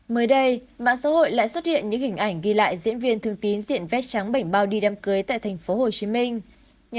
mới đây mạng xã hội lại xuất hiện những hình ảnh ghi lại diễn viên thường tín diện vét trắng bảnh bao đi đám cưới tại thành phố hồ chí minh